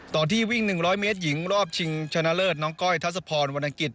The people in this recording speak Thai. ที่วิ่ง๑๐๐เมตรหญิงรอบชิงชนะเลิศน้องก้อยทัศพรวรรณกิจ